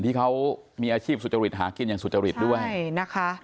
ทีเค้ามีอาชีพจริงหากินอย่างสุจริงด้วย